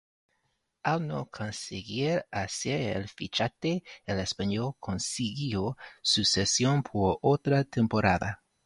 Al no conseguir hacer el fichaje el Espanyol consiguió su cesión por otra temporada.